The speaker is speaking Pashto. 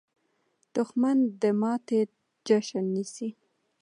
دښمن د ماتې جشن نیسي